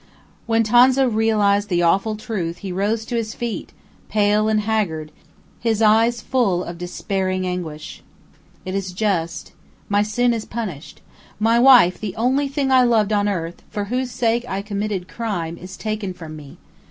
When Tonza realized the awful truth he rose to his feet, pale and haggard, his eyes full of despairing anguish. "It is just; my sin is punished. My wife, the only thing I loved on earth, for whose sake I committed crime, is taken from me!